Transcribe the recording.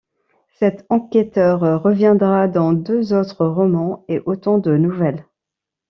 Cet enquêteur reviendra dans deux autres romans et autant de nouvelles.